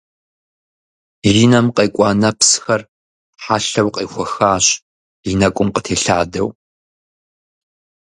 И нэм къекӏуа нэпсхэр, хьэлъэу къехуэхащ, и нэкӏум къытелъадэу.